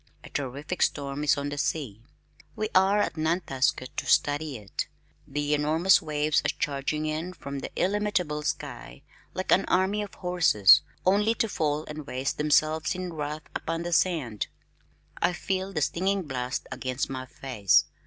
A terrific storm is on the sea. We are at Nantasket to study it. The enormous waves are charging in from the illimitable sky like an army of horses, only to fall and waste themselves in wrath upon the sand. I feel the stinging blast against my face....